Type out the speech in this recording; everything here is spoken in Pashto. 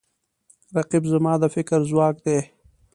رقیب زما د فکر ځواک دی